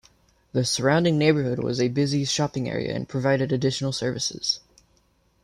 The surrounding neighborhood was a busy shopping area and provided additional services.